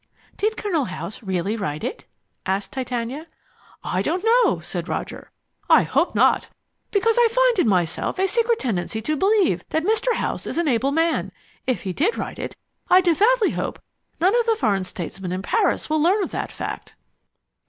"Did Colonel House really write it?" asked Titania. "I don't know," said Roger. "I hope not, because I find in myself a secret tendency to believe that Mr. House is an able man. If he did write it, I devoutly hope none of the foreign statesmen in Paris will learn of that fact."